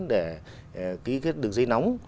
để ký kết đường dây nóng